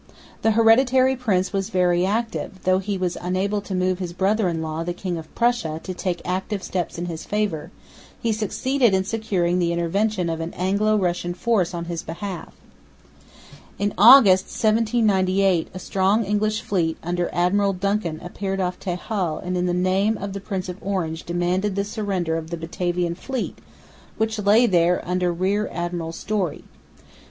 The hereditary prince was very active and, though he was unable to move his brother in law, the King of Prussia, to take active steps in his favour, he succeeded in securing the intervention of an Anglo Russian force on his behalf. In August, 1798, a strong English fleet under Admiral Duncan appeared off Texel and in the name of the Prince of Orange demanded the surrender of the Batavian fleet which lay there under Rear Admiral Story.